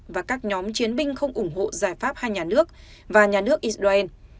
và các nhóm chiến binh không ủng hộ giải pháp hai nhà nước và nhà nước israel